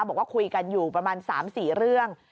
บอกว่าคุยกันอยู่ประมาณ๓๔เรื่อง